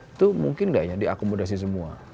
itu mungkin diakomodasi semua